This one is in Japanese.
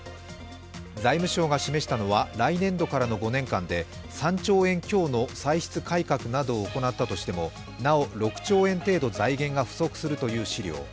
財務省が示したのは来年度からの５年間で３兆円強の歳出改革などを行ったとしてもなお６兆円程度、財源が不足するという資料。